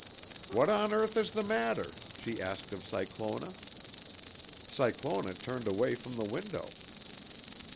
"'What on earth is the matter?' she asked of Cyclona. "Cyclona turned away from the window.